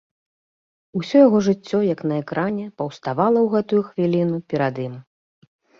Усё яго жыццё, як на экране, паўставала ў гэтую хвіліну перад ім.